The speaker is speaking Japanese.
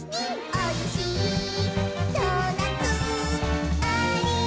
「おいしいドーナツありますよ」